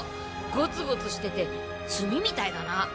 ゴツゴツしてて炭みたいだな。